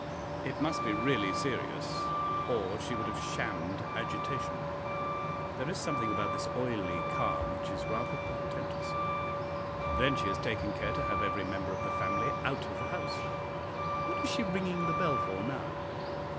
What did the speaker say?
It must be really serious, or she would have shammed agitation. There is something about this oily calm which is rather portentous. Then she has taken care to have every member of the family out of the house. What is she ringing the bell for now?"